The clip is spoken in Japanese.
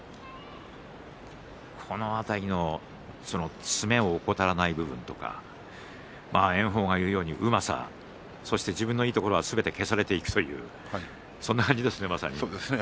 この辺り、詰めを怠らないとか炎鵬と言うように、うまさそして自分のいいところはすべて消されていくというそんな感じですね、まさに。